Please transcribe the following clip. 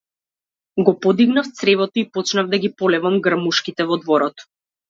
Го подигнав цревото и почнав да ги полевам грмушките во дворот.